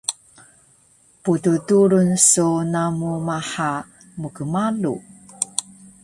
Pddurun so namu maha mkmalu